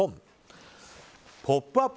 「ポップＵＰ！」